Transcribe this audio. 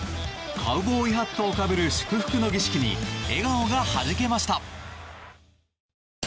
カウボーイハットをかぶる祝福の儀式に笑顔がはじけました。